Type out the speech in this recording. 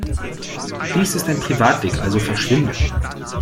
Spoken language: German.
Dies ist ein Privatweg, also verschwinde!